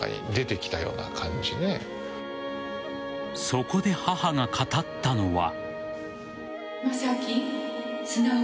そこで母が語ったのは。